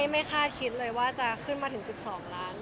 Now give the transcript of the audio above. ไม่คาดคิดเลยว่าจะขึ้นมาถึง๑๒ล้าน